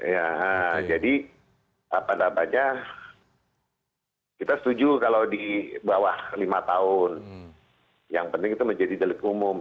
ya jadi apa namanya kita setuju kalau di bawah lima tahun yang penting itu menjadi delik umum